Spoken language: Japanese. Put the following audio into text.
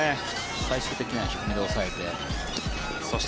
最終的には低めで抑えて。